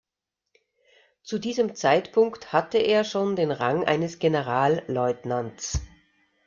Zu diesem Zeitpunkt hatte er schon den Rang eines Generalleutnants.